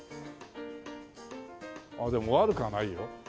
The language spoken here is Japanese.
でも悪くはないよ。